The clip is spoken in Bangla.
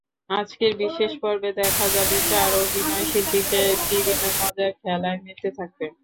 আজকের বিশেষ পর্বে দেখা যাবে চার অভিনয়শিল্পীকে বিভিন্ন মজার খেলায় মেতে থাকতে।